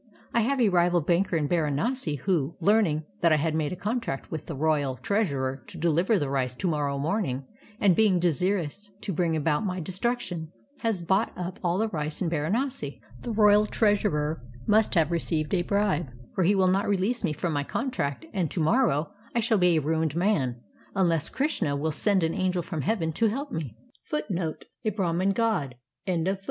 I have a rival banker in Baranasi who, learning that I had made a contract with the royal 1 Buddhist monastery. 48 KARMA: A STORY OF BUDDHIST ETHICS treasurer to deliver the rice to morrow morning, and being desirous to bring about my destruction, has bought up all the rice in Baranasi. The royal treasurer must have received a bribe, for he will not release me from my contract, and to morrow I shall be a ruined man unless Krishna^ will send an angel from heaven to help me."